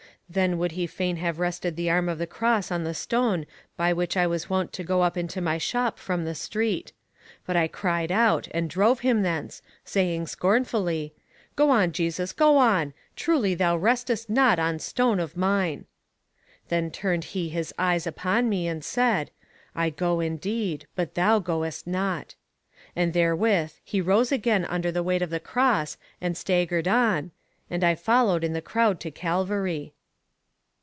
Then would be fain have rested the arm of the cross on the stone by which I was wont to go up into my shop from the street. But I cried out, and drove him thence, saying scornfully, "Go on Jesus; go on. Truly thou restest not on stone of mine!" Then turned he his eyes upon me, and said, "I go indeed, but thou goest not;" and therewith he rose again under the weight of the cross, and staggered on, "'And I followed in the crowd to Calvary.